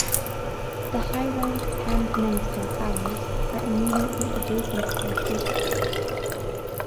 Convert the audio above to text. The highrise Pan Peninsula Towers are immediately adjacent to the station.